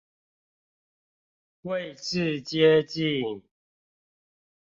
位置接近